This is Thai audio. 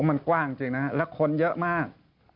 มันกว้างจริงนะแล้วคนเยอะมาก